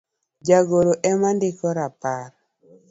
jagoro ema ndiko rapar